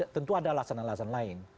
tentu ada alasan alasan lain